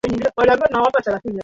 Wajua kuwinda wanyama pori ni hatia?